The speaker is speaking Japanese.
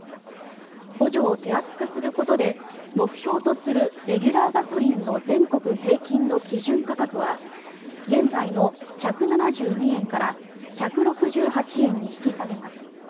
補助を手厚くすることで目標とするレギュラーガソリンの全国平均の基準価格は現在の１７２円から１６８円に引き下げます。